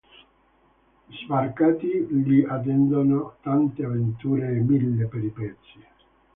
Sbarcati li attendono tante avventure e mille peripezie.